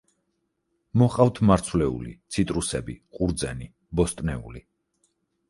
მოჰყავთ მარცვლეული, ციტრუსები, ყურძენი, ბოსტნეული.